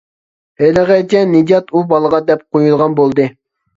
ھېلىغىچە نىجات ئۇ بالىغا دەپ قويىدىغان بولدى.